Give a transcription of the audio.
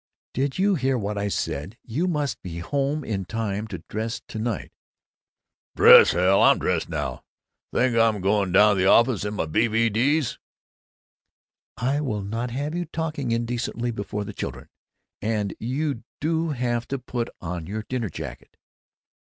Did you hear what I said? You must be home in time to dress to night." "Dress? Hell! I'm dressed now! Think I'm going down to the office in my B.V.D.'s?" "I will not have you talking indecently before the children! And you do have to put on your dinner jacket!"